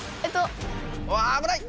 あぶない！